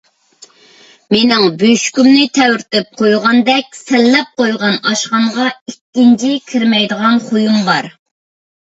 مېنىڭ بۆشۈكۈمنى تەۋرىتىپ قويغاندەك سەنلەپ قويغان ئاشخانىغا ئىككىنچى كىرمەيدىغان خۇيۇم بار.